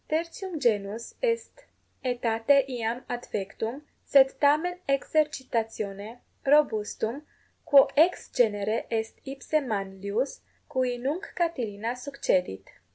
Tertium genus est aetate iam adfectum, sed tamen exercitatione 20 robustum, quo ex genere est ipse Manlius, cui nunc Catilina succedit.